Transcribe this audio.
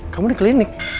kamu di klinik